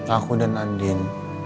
aku dan andin